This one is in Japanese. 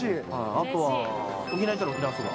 あとは沖縄行ったら沖縄そば。